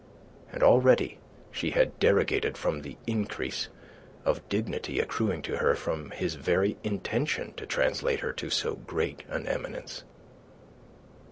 And already she had derogated from the increase of dignity accruing to her from his very intention to translate her to so great an eminence.